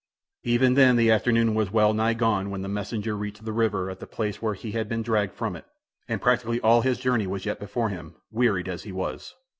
Even then the afternoon was well nigh gone when the messenger reached the river at the place where he had been dragged from it; and practically all his journey was yet before him, wearied as he was.